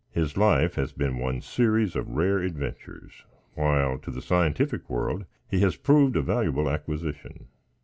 His life has been one series of rare adventures; while, to the scientific world, he has proved a valuable acquisition.